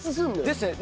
ですよね。